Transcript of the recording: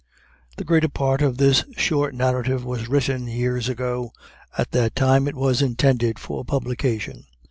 The greater part of this short narrative was written years ago. At that time it was intended for publication.